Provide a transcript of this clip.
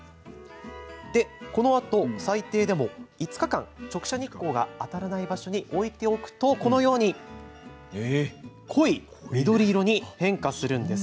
このあと最低でも５日間直射日光が当たらない場所に置いておくと濃い緑色に変化するんです。